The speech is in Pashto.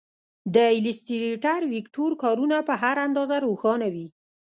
د ایلیسټریټر ویکتور کارونه په هر اندازه روښانه وي.